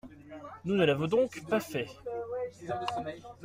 Nous ne l’avons donc pas fait.